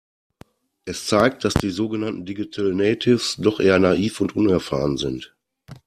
Es zeigt, dass die sogenannten Digital Natives doch eher naiv und unerfahren sind.